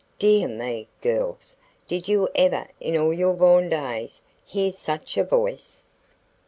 Dear me, girls, did you ever in all your born days hear such a voice?"